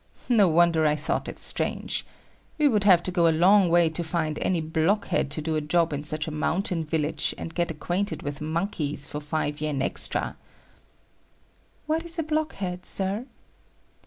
No wonder I thought it strange. We would have to go a long way to find any blockhead to do a job in such a mountain village and get acquainted with monkeys for five yen extra." "What is a blockhead, Sir?"